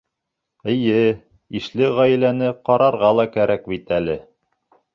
Эйе, ишле ғаиләне ҡарарға ла кәрәк бит әле.